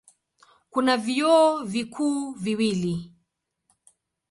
Kuna vyuo vikuu viwili.